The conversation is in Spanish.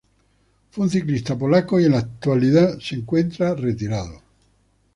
Fue un ciclista polaco y en la actualidad se encuentra retirado.